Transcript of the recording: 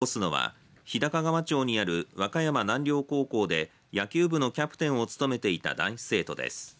訴えを起こすのは日高川町にある和歌山南陵高校で野球部のキャプテンを務めていた男子生徒です。